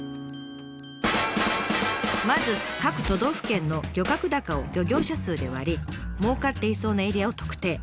まず各都道府県の漁獲高を漁業者数で割りもうかっていそうなエリアを特定。